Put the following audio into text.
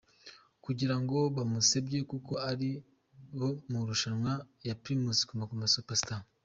kugira ngo bamusebya kuko ari mu marushanwa ya Primus Guma Guma Super Star.